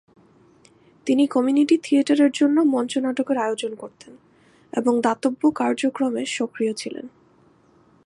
তিনি কমিউনিটি থিয়েটারের জন্য মঞ্চনাটকের আয়োজন করতেন এবং দাতব্য কার্যক্রমে সক্রিয় ছিলেন।